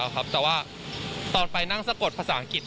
แต่ว่าตอนไปนั่งสะกดภาษาอังกฤษ